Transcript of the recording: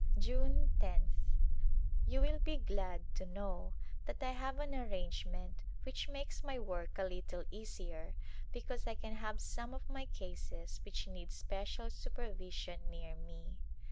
'June loth. You will be glad to know that I have an arrange ment which makes my work a little easier because I can have some of my cases which need special super vision near me.